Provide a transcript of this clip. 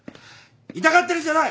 痛がってるんじゃない！